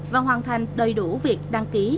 và hoàn thành đầy đủ việc đăng ký